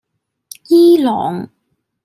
伊朗